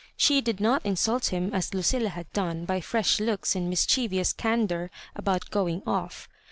She did not insult him, as Lucilla had done, by fresh looks and mis chievous candour about "going off.''